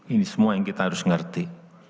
ini semua yang kita harus ngerti